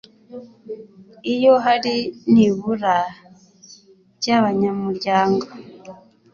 Iyo hari nibura by abanyamuryango